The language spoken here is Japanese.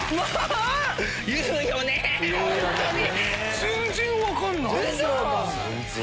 全然分かんない。